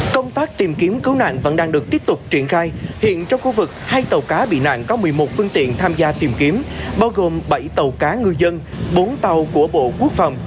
công tác tìm kiếm cứu nạn vẫn đang được tiếp tục triển khai hiện trong khu vực hai tàu cá bị nạn có một mươi một phương tiện tham gia tìm kiếm bao gồm bảy tàu cá ngư dân bốn tàu của bộ quốc phòng